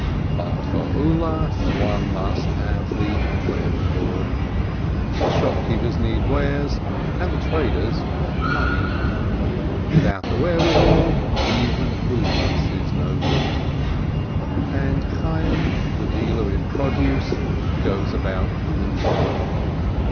But for Ulas one must have the wherewithal — the shopkeepers need wares, and the traders, money. Without the wherewithal, even Ulas is no good ! And Chayyim, the dealer in produce, goes about gloomily.